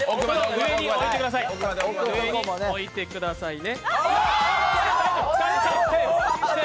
上に置いてくださいね。